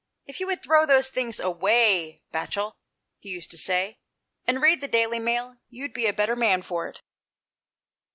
" If you would throw those things away, Batchel," he used to say, " and read the Daily Mail, you'd be a better man for it."